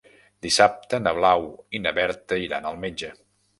Dissabte na Blau i na Berta iran al metge.